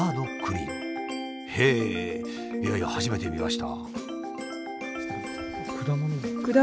へえいやいや初めて見ました。